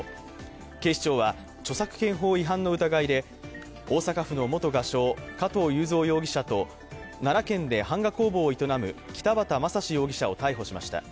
警視庁は著作権法違反の疑いで大阪府の元画商、加藤雄三容疑者と奈良県で版画工房を営む北畑雅史容疑者を逮捕しました。